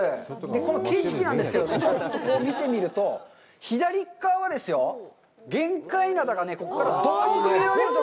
この景色なんですけど、ちょっと見てみると、左側がですよ、玄界灘がここからドーンと見えます。